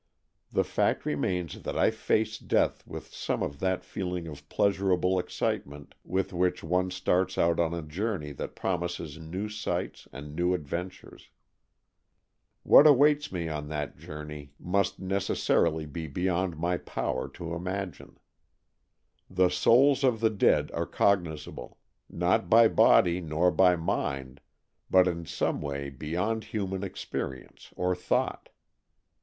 The fact remains that I face death with some of that feeling of pleasurable excitement with which one starts out on a journey that promises new sights and new adventures. What awaits me on that journey must 256 AN EXCHANGE OF SOULS necessarily be beyond my power to imagine. The souls of the dead are cognizable, not by body nor by mind, but in some way be yond human experience or thought.